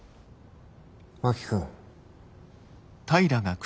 真木君。